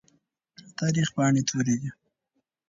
د تاريخ پاڼې تورې دي.